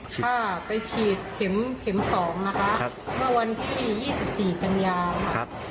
ค่ะไปฉีดเข็ม๒นะคะเมื่อวันที่๒๔กันยาค่ะ